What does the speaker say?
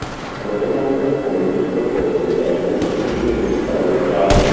Lavora inoltre come illustratore di rebus e di mini-storie gialle.